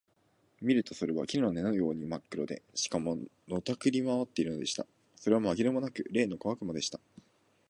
見るとそれは木の根のようにまっ黒で、しかも、のたくり廻っているのでした。それはまぎれもなく、例の小悪魔でした。